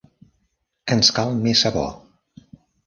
Ens cal més sabó.